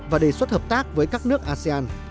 và đề xuất hợp tác với các nước asean